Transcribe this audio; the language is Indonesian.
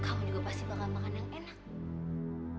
kamu juga pasti bakal makan yang enak